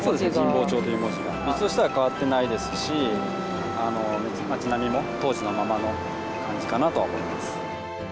道自体は変わってないですし、街並みも当時のままの感じかなとは思います。